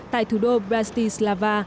tại thủ đô bratislava